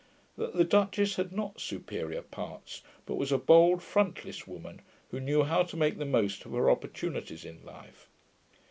That the duchess had not superior parts, but was a bold frontless woman, who knew how to make the most of her opportunities in life.